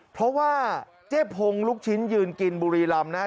เพราะว่าเจ๊พงลูกชิ้นยืนกินบุรีรำนะ